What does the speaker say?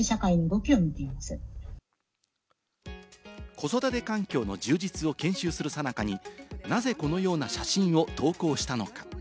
子育て環境の充実を研修するさなかに、なぜこのような写真を投稿したのか？